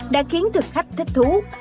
đã khiến thực khách thích thú